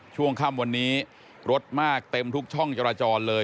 ช่วงค่ำวันนี้รถมากเต็มทุกช่องจราจรเลย